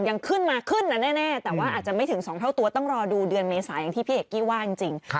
ยังขึ้นมาขึ้นนะแน่แต่ว่าอาจจะไม่ถึง๒เท่าตัวต้องรอดูเดือนเมษาอย่างที่พี่เอกกี้ว่าจริง